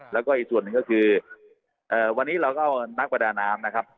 แล้วก็อีกส่วนหนึ่งก็คือวันนี้เราก็เอานักประดาน้ำนะครับ